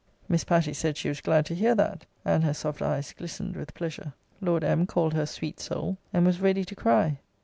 Miss Patty said she was glad to hear that: and her soft eyes glistened with pleasure. Lord M. called her sweet soul, and was ready to cry.